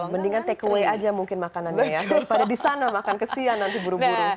mendingan take away aja mungkin makanannya ya daripada disana makan kesian nanti buru buru